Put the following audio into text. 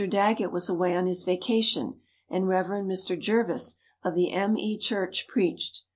Daggett was away on his vacation and Rev. Mr. Jervis of the M. E. church preached.